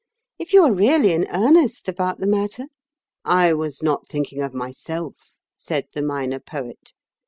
If you are really in earnest about the matter—" "I was not thinking of myself," said the Minor Poet.